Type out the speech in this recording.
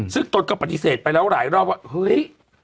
ซึ่งตนก็ปฏิเสธไปแล้วหลายรอบว่าเฮ้ย